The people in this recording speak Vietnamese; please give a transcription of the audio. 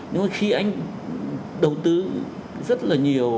nhưng mà khi anh đầu tư rất là nhiều